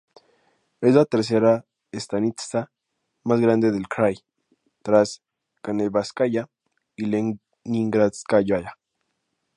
Es la tercera "stanitsa" más grande del "krai", tras Kanevskaya y Leningrádskaya.